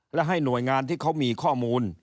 และให้หน่วยงานที่เขามีข้อมูล